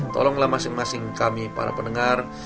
tolonglah masing masing kami para pendengar